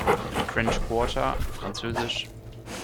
French Quarter, franz.